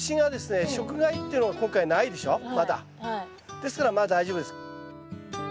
ですからまあ大丈夫です。